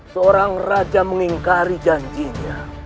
seorang raja mengingkari janjinya